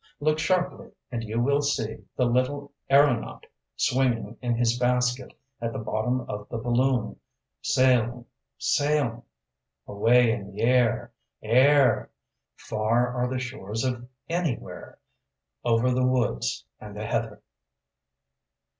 Look sharply, and you will see the little aëronaut swinging in his basket at the bottom of the balloon, sailing, sailing Away in the air air Far are the shores of Anywhere, Over the woods and the heather.